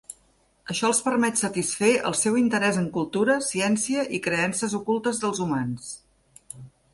Això els permet satisfer el seu interès en cultura, ciència i creences ocultes dels humans.